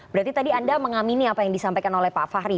berarti tadi anda mengamini apa yang disampaikan oleh pak fahri